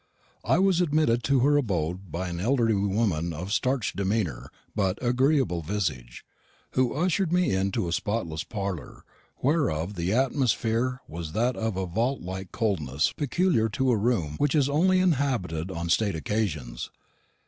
I was admitted to her abode by an elderly woman of starched demeanour but agreeable visage, who ushered me into a spotless parlour, whereof the atmosphere was of that vault like coldness peculiar to a room which is only inhabited on state occasions.